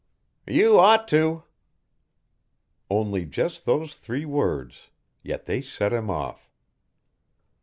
"You ought to." Only just those three words, yet they set him off.